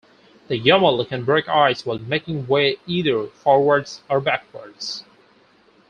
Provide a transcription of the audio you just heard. The "Yamal" can break ice while making way either forwards or backwards.